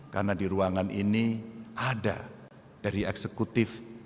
karena di ruangan ini ada dari eksekutif